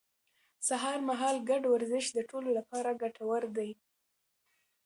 سهار مهال ګډ ورزش د ټولو لپاره ګټور دی